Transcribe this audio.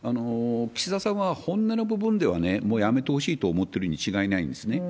岸田さんは本音の部分では、もうやめてほしいと思ってるに違いないんですね。